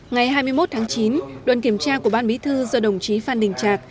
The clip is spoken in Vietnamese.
ngày hai mươi một tháng chín đoàn kiểm tra của ban bí thư do đồng chí phan đình trạc